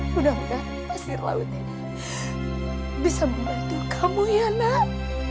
mudah mudahan pasir laut ini bisa membantu kamu ya nak